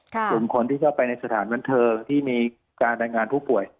กลุ่มคนที่เข้าไปในสถานบันเทิงที่มีการรายงานผู้ป่วย